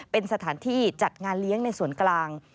เป็นสถานที่จัดงานเลี้ยงในส่วนกลาง